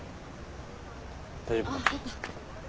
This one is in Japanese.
大丈夫。